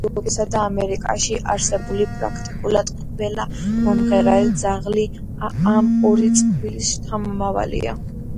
ევროპასა და ამერიკაში არსებული პრაქტიკულად ყველა მომღერალი ძაღლი ამ ორი წყვილის შთამომავალია.